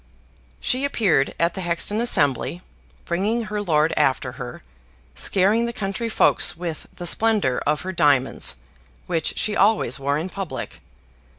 She appeared at the Hexton Assembly, bringing her lord after her, scaring the country folks with the splendor of her diamonds, which she always wore in public.